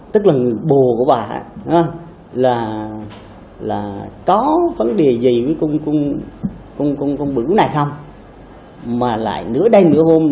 từ cái thông tin này